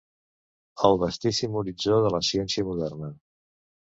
El vastíssim horitzó de la ciència moderna.